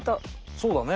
そうだね！